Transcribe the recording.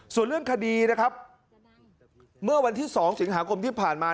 ส่วนเรื่องคดีนะครับเมื่อวันที่๒สิงหาคมที่ผ่านมา